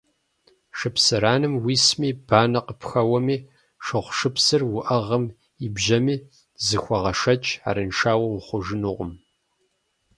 - Шыпсыранэм уисми, банэ къыпхэуэми, шыгъушыпсыр уӏэгъэм ибжьэми, зыхуэгъэшэч, арыншауэ ухъужынукъым.